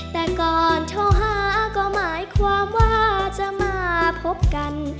แต่ก่อนโทรหาก็หมายความว่าจะมาพบกัน